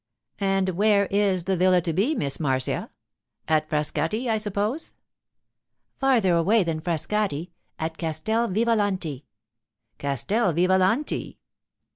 'And where is the villa to be, Miss Marcia—at Frascati, I suppose?' 'Farther away than Frascati; at Castel Vivalanti.' 'Castel Vivalanti!